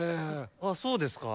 あそうですか？